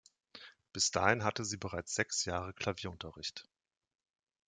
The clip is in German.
Bis dahin hatte sie bereits sechs Jahre Klavierunterricht.